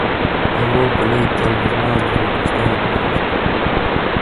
Euroopa Liit algas majanduslikust ühendusest.